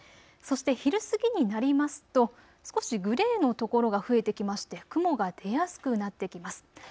そして昼過ぎになりますと少しグレーのところが増えてきまして雲が出やすくなってきます。